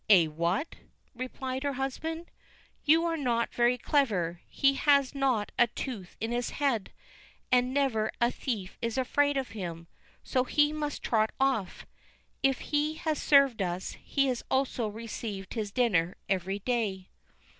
"Eh, what?" replied her husband; "you are not very clever; he has not a tooth in his head, and never a thief is afraid of him, so he must trot off. If he has served us, he has also received his dinner every day."